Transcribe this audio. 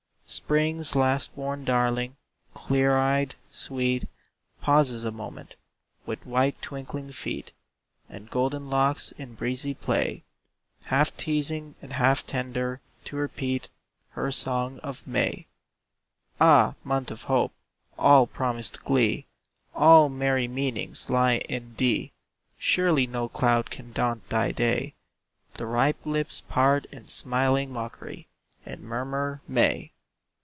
Spring's last born darling, clear eyed, sweet, Pauses a moment, with white twinkling feet, And golden locks in breezy play, Half teasing and half tender, to repeat Her song of "May." Ah, month of hope! all promised glee, All merry meanings, lie in thee; Surely no cloud can daunt thy day. The ripe lips part in smiling mockery, And murmur, "May."